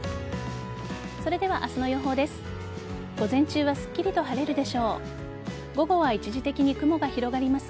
それでは明日の予報です。